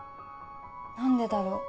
何でだろう